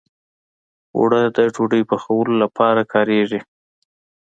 اوړه د ډوډۍ پخولو لپاره کارېږي